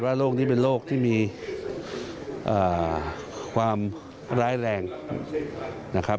โรคนี้เป็นโรคที่มีความร้ายแรงนะครับ